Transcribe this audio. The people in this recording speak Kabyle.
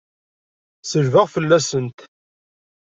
Selbeɣ fell-asent!